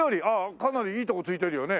かなりいいとこついてるよね。